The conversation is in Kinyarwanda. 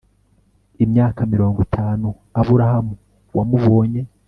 imyaka mirongo itanu Aburahamu wamubonye